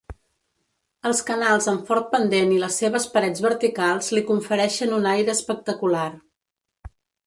Els canals amb fort pendent i les seves parets verticals li confereixen un aire espectacular.